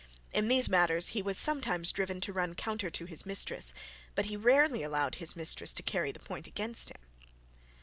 In these matters he was sometimes driven to run counter to his mistress, but he rarely allowed his mistress to carry the point against him.